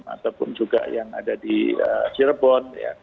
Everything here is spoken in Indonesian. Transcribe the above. ataupun juga yang ada di jawa tenggara